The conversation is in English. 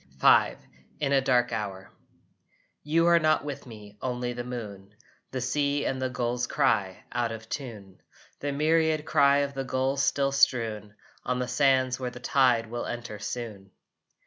V IN A DARK HOUR You are not with me only the moon, The sea and the gulls' cry, out of tune; The myriad cry of the gulls still strewn On the sands where the tide will enter soon.